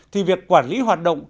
thì việc quản lý hoạt động